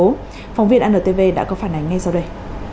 phóng viên antv đã có phản ánh ngay sau đây